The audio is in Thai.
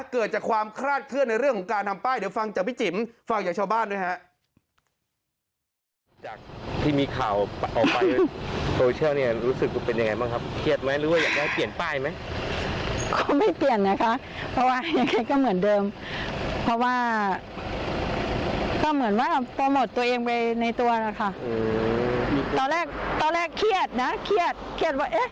เกิดจากความคลาดเคลื่อนในเรื่องของการทำป้ายเดี๋ยวฟังจากพี่จิ๋มฟังจากชาวบ้านด้วยฮะ